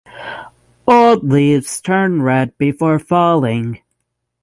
Old leaves turn red before falling.